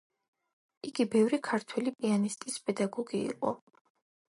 იგი ბევრი ქართველი პიანისტის პედაგოგი იყო.